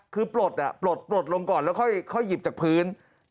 คือปลดปลดลงก่อนแล้วค่อยหยิบจากพื้น